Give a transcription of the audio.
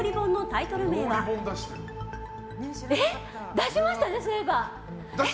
出しましたね、そういえば。